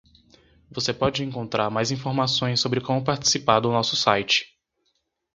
Você pode encontrar mais informações sobre como participar do nosso site.